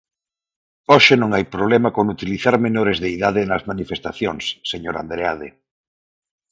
Hoxe non hai problema con utilizar menores de idade nas manifestacións, señor Andreade.